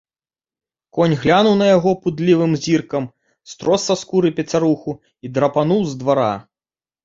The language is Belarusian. Конь глянуў на яго пудлівым зіркам, строс са скуры пацяруху і драпануў з двара.